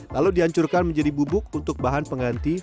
lalu dihancurkan menjadi bubuk untuk bahan pengganti